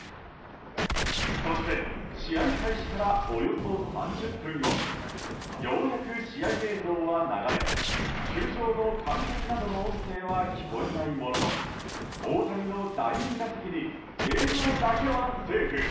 そして試合開始からおよそ３０分後ようやく試合映像は流れ球場の観客などの音声は聞こえないものの大谷の第２打席に映像だけはセーフ。